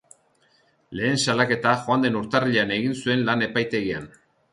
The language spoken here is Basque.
Lehen salaketa joan den urtarrilean egin zuen lan epaitegian.